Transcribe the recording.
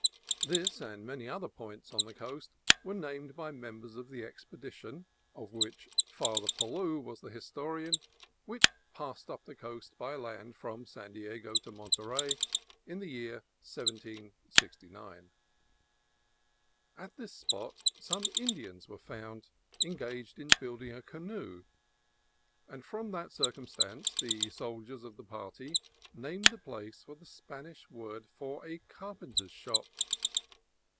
This and many other points on the coast were named by members of the expedi tion (of which Father Palou was the historian) which passed up the coast by land from San Diego to Monterey in the year 1769. At this spot some Indians were found engaged in building a canoe, and from that circumstance the soldiers of the party named the place by the Spanish word for a carpen ter's shop.